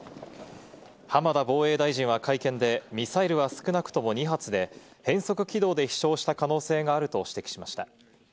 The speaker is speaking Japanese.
浜田防衛大臣は会見でミサイルは少なくとも２発で、変則軌道で飛翔した可能性があると指摘しました。